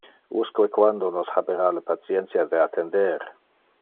Usque quando nos habera le patientia de attender.